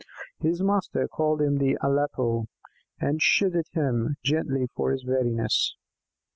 His master called him "Aleppo," and chided him gently for his weariness.